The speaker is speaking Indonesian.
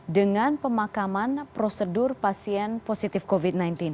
dengan pemakaman prosedur pasien positif covid sembilan belas